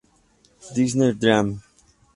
Disney Dreams!